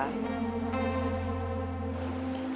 kita gak bisa memaksakan kehendak reva juga